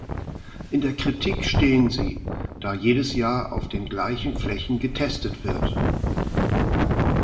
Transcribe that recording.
In der Kritik stehen sie, da jedes Jahr auf den gleichen Flächen getestet wird.